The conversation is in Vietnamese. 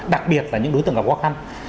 đặc biệt là những đối tượng gặp khó khăn